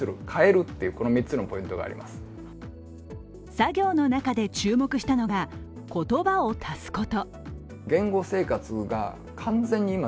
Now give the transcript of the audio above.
作業の中で注目したのが、言葉を足すこと。